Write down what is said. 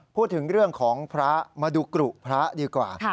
พูดถึงเรื่องของพระมาดูกรุพระดีกว่า